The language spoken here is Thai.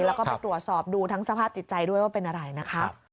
แล้วก็ไปตรวจสอบดูทั้งสภาพจิตใจด้วยว่าเป็นอะไรนะคะ